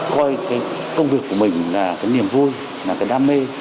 coi công việc của mình là niềm vui là đam mê